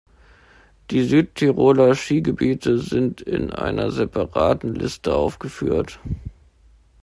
Die Südtiroler Skigebiete sind in einer separaten Liste aufgeführt.